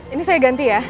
ini saya ganti ya